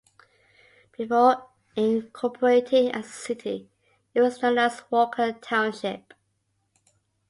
Before incorporating as a city, it was known as Walker Township.